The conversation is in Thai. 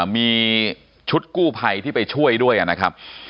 มีชุดกู้ภัยที่ไปช่วยด้วยนะครับ